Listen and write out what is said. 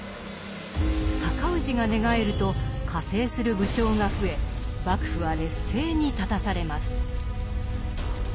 高氏が寝返ると加勢する武将が増え幕府は劣勢に立たされます。